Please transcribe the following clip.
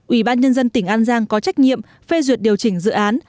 ủy ban nhân dân tỉnh an giang có trách nhiệm phê duyệt điều chỉnh dự án